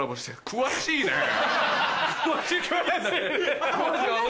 詳しいねぇ！